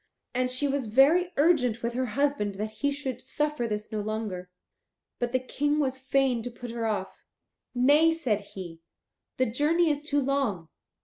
And she was very urgent with her husband that he should suffer this no longer. But the King was fain to put her off. "Nay," said he, "the journey is too long.